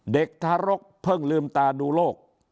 เด็กทารกเพิ่งลืมตาดูโรค